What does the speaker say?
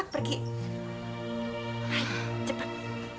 aku muak aku muak